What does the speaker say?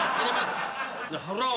腹を？